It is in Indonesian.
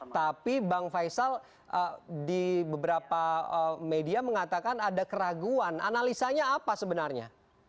tapi bang faisal di beberapa media mengatakan ada keraguan analisanya apa sebenarnya